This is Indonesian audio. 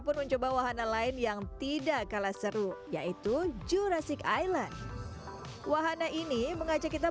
pun mencoba wahana lain yang tidak kalah seru yaitu jurassic island wahana ini mengajak kita